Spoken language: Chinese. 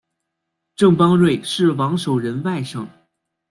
郑邦瑞是王守仁外甥。